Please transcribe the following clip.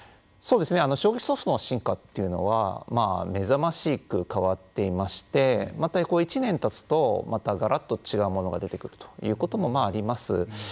将棋ソフトの進化というのは目覚ましく変わっていましてまた１年たつとまた、がらっと違うものが出てくるということもあります。